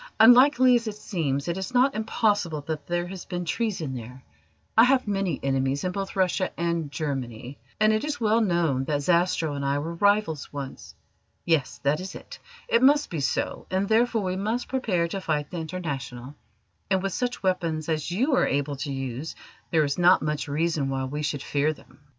Unlikely as it seems, it is not impossible that there has been treason there. I have many enemies in both Russia and Germany, and it is well known that Zastrow and I were rivals once. Yes, that is it: it must be so, and therefore we must prepare to fight the International; and with such weapons as you are able to use there is not much reason why we should fear them."